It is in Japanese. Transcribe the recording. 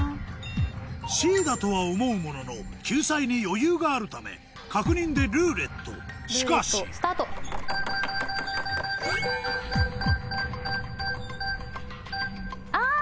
Ｃだとは思うものの救済に余裕があるため確認で「ルーレット」しかしあぁ！